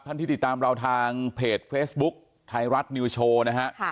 ที่ติดตามเราทางเพจเฟซบุ๊คไทยรัฐนิวโชว์นะฮะ